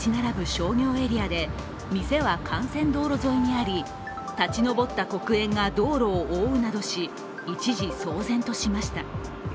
商業エリアで、店は幹線道路沿いにあり立ち上った黒煙が道路を覆うなどし、一時騒然としました。